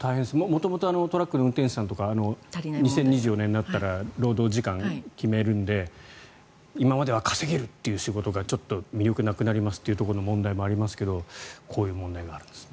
元々、トラックの運転手さんとか２０２４年になったら労働時間、決めるので今までは稼げるという仕事がちょっと魅力なくなりますという問題もありますけどこういう問題があるんですね。